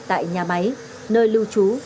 tại nhà máy nơi lưu trú